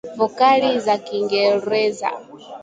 Vokali za Kiingereza